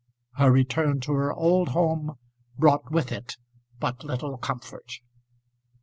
Her return to her old home brought with it but little comfort.